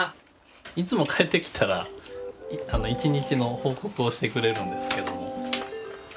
いつも帰ってきたら一日の報告をしてくれるんですけども。